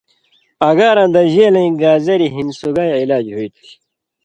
اگاراں دژیلَیں گازریۡ ہِن سُگائ علاج ہُوئ تھی